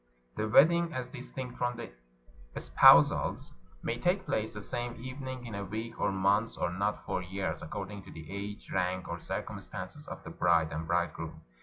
The wedding, as distinct from the espousals, may take place the same evening, in a week, a month, or not for years, according to the age, rank, or circumstances of the bride and bridegroom.